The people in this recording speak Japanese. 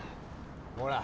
ほら。